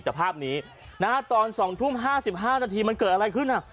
แต่ภาพนี้นะฮะตอนสองทุ่มห้าสิบห้านาทีมันเกิดอะไรขึ้นอ่ะ